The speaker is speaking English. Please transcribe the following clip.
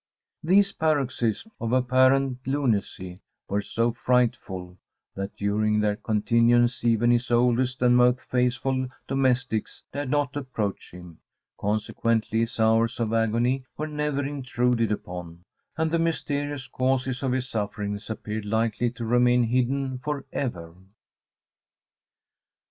These paroxysms of apparent lunacy were so frightful, that during their continuance even his oldest and most faithful domestics dared not approach him; consequently his hours of agony were never intruded upon, and the mysterious causes of his sufferings appeared likely to remain hidden for ever.